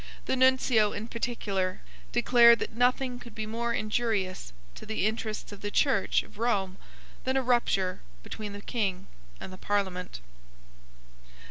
The Nuncio, in particular, declared that nothing could be more injurious to the interests of the Church of Rome than a rupture between the King and the Parliament.